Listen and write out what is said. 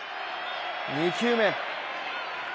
２球目。